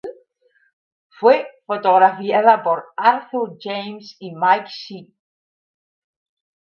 Fue fotografiada por Arthur James y Mike Shea.